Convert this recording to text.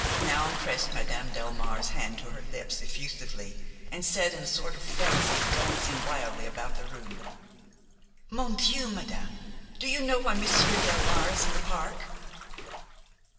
Noun pressed Madame Delmare's hand to her lips effusively, and said, in a sort of frenzy, glancing wildly about the room: "Mon Dieu! madame, do you know why Monsieur Delmare is in the park?"